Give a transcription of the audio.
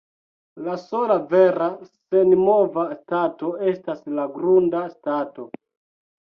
La sola vera senmova stato estas la grunda stato.